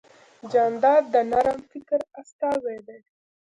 جانداد د نرم فکر استازی دی.